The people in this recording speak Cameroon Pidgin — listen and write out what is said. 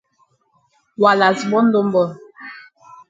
Wa kas born don born.